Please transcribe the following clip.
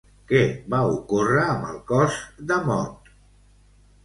Què va ocórrer amb el cos de Mot?